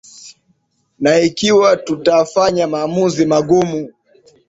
na ikiwa tutafanya maamuzi magumu